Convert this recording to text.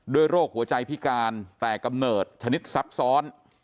โรคหัวใจพิการแต่กำเนิดชนิดซับซ้อน